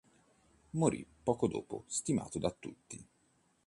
Morì poco dopo stimato da tutti.